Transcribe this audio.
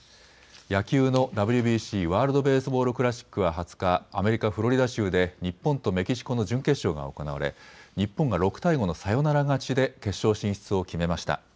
野球のＷＢＣ・ワールド・ベースボール・クラシックは２０日、アメリカ・フロリダ州で日本とメキシコの準決勝が行われ日本が６対５のサヨナラ勝ちで決勝進出を決めました。